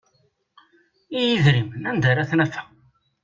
I yidrimen anda ara t-nafeɣ?